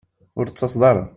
Ur d-tettaseḍ ara